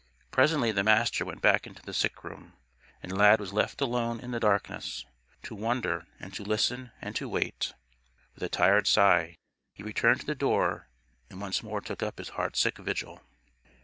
Presently the Master went back into the sickroom. And Lad was left alone in the darkness to wonder and to listen and to wait. With a tired sigh he returned to the door and once more took up his heartsick vigil.